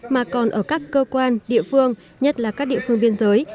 mà còn ở các cơ quan địa phương nhất là các địa phương biên giới